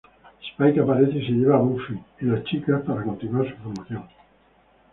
Spike aparece y se lleva a Buffy y las chicas para continuar su formación.